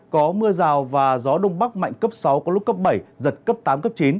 có mưa rào và gió đông bắc mạnh cấp sáu có lúc cấp bảy giật cấp tám cấp chín